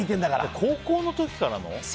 高校の時からの？